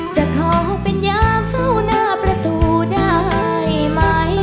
ขอเป็นยาเฝ้าหน้าประตูได้ไหม